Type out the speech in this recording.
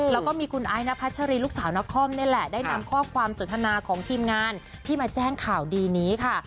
แล้วก็มีคุณไอ้นพัชรีลูกสาวนครนี่แหละได้นำข้อความสนทนาของทีมงานที่มาแจ้งข่าวดีนี้ค่ะ